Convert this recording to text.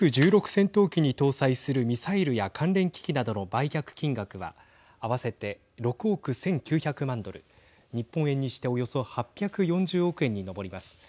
戦闘機に搭載するミサイルや関連機器などの売却金額は合わせて６億１９００万ドル日本円にしておよそ８４０億円に上ります。